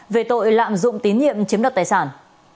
về tội lạm dụng tín nhiệm chiếm đoạt tài sản